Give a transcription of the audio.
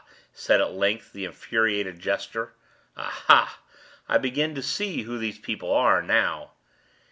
said at length the infuriated jester. "Ah, ha! I begin to see who these people are now!"